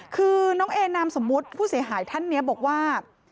คือน้องเอนามสมมุติผู้เสียหายท่านนี้บอกว่า